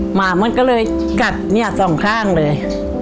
หมามันก็เลยกัดเนี่ยสองข้างเลย